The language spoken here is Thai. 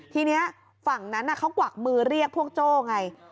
ทีนี้ฝั่งนั้นเขากวักมือเรียกพวกโจ้ไง